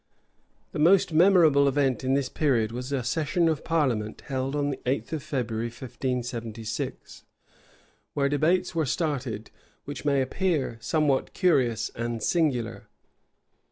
The most memorable event in this period was a session of parliament, held on the eighth of February, 1576; where debates were started which may appear somewhat curious and singular.